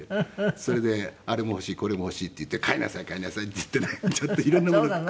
それで「あれも欲しいこれも欲しい」って言って「買いなさい買いなさい」って言ってね色んなもの。